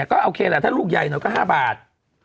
ก็โอเคแหละถ้าลูกใหญ่หน่อยก็๕บาท